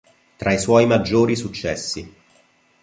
Tra suoi maggiori successi.